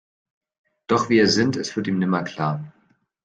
Doch wie er sinnt, es wird ihm nimmer klar.